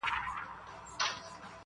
نه دعا نه په جومات کي خیراتونو،